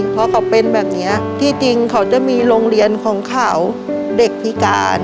เพราะเขาเป็นแบบนี้ที่จริงเขาจะมีโรงเรียนของเขาเด็กพิการ